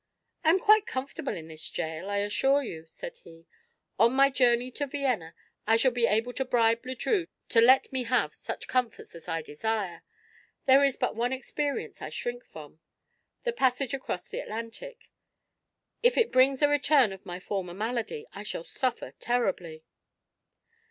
"I am quite comfortable in this jail, I assure you," said he. "On my journey to Vienna I shall be able to bribe Le Drieux to let me have such comforts as I desire. There is but one experience I shrink from: the passage across the Atlantic. If it brings a return of my former malady I shall suffer terribly."